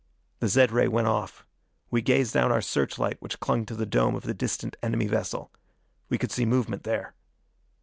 The zed ray went off. We gazed down our search light which clung to the dome of the distant enemy vessel. We could see movement there.